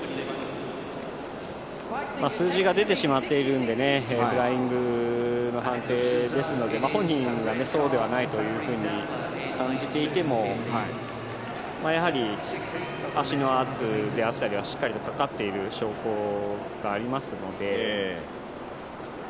数字が出てしまっているのでフライングの判定ですので本人はそうではないというふうに感じていてもやはり足のアップであったりが、しっかりかかってる証拠がありま